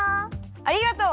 ありがとう。